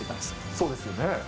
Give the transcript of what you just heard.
そうですよね。